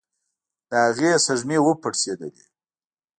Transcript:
د هغې سږمې وپړسېدلې.